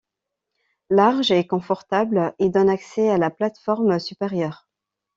Larges et confortables ils donnent accès à la plate-forme supérieure.